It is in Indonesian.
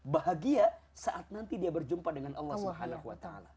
bahagia saat nanti dia berjumpa dengan allah swt